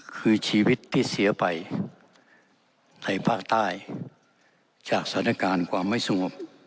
คือชีวิตที่เสียไปในภาคใต้จากสถานการณ์ความไม่สงบ